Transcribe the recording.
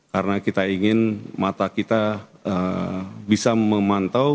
karena kita ingin mata kita bisa memantau